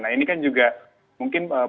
nah ini kan juga mungkin